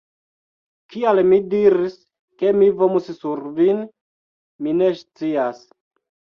Kial mi diris, ke mi vomus sur vin... mi ne scias